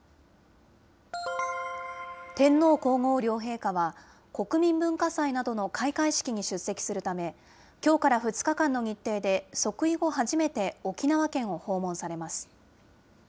天皇皇后両陛下は、国民文化祭などの開会式に出席するため、きょうから２日間の日程で、即位後初めて沖縄県を訪問されます。